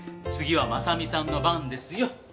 次は真実さんの番ですよ。